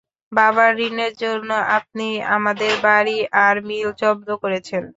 বাবার ঋণের জন্য আপনি আমাদের বাড়ি আর মিল জব্দ করেছেন।